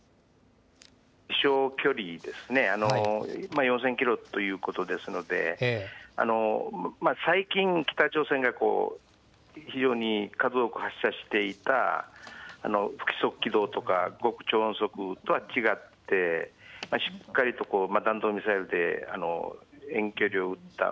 飛しょう距離ですね、４０００キロということですので、最近、北朝鮮が非常に数多く発射していた不規則軌道とか、極超音速とは違って、しっかりと弾道ミサイルで遠距離を打った。